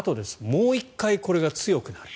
もう１回、これが強くなる。